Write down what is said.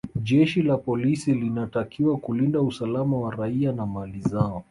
jeshi la polisi linatakiwa kulinda usalama wa raia na mali zao